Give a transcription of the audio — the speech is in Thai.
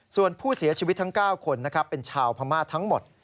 ส่วนผู้เสียชีวิตทั้ง๙คนนะครับเป็นชาวพม่าทั้งหมด